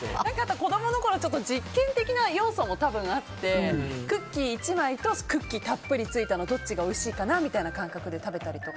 子供のころ、実験的な要素も多分、あってクッキー１枚とクッキーたっぷりついたのどっちがおいしいかなっていう感覚で食べたりとか。